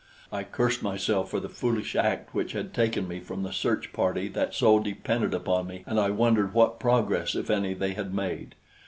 I cursed myself for the foolish act which had taken me from the search party that so depended upon me, and I wondered what progress, if any, they had made.